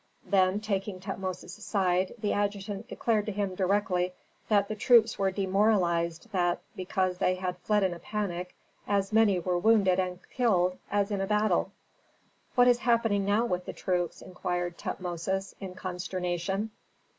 Then, taking Tutmosis aside, the adjutant declared to him directly that the troops were demoralized; that, because they had fled in a panic, as many were wounded and killed as in a battle. "What is happening now with the troops?" inquired Tutmosis in consternation.